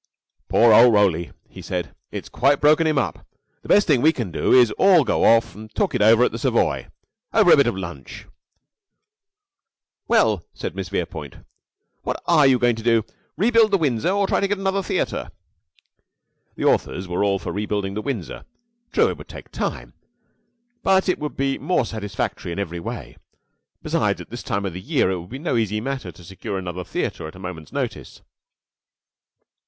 "Poor old Roly!" he said. "It's quite broken him up. The best thing we can do is all to go off and talk it over at the Savoy, over a bit of lunch." "Well," said Miss Verepoint, "what are you going to do rebuild the Windsor or try and get another theater?" The authors were all for rebuilding the Windsor. True, it would take time, but it would be more satisfactory in every way. Besides, at this time of the year it would be no easy matter to secure another theater at a moment's notice.